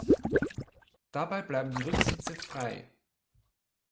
Dabei bleiben die Rücksitze frei.